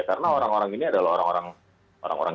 karena orang orang ini adalah orang orang